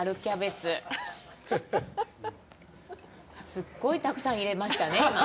すごいたくさん入れましたね。